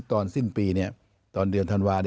ตอนสิ้นปีเนี่ยตอนเดือนธันวาล